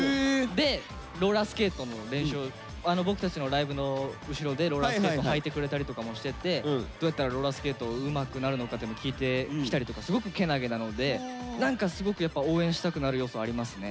でローラースケートの練習を僕たちのライブの後ろでローラースケート履いてくれたりとかもしてて「どうやったらローラースケートうまくなるのか」っていうの聞いてきたりとかすごくけなげなので何かすごくやっぱ応援したくなる要素ありますね。